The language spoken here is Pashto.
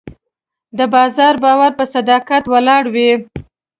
د بازار باور په صداقت ولاړ وي.